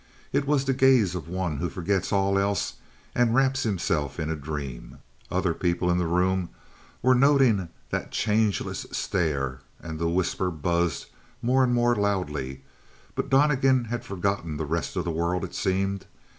It was the gaze of one who forgets all else and wraps himself in a dream. Other people in the room were noting that changeless stare and the whisper buzzed more and more loudly, but Donnegan had forgotten the rest of the world, it seemed.